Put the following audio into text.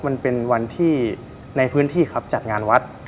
มันเป็นวันที่ในพื้นที่ครับจัดงานวัด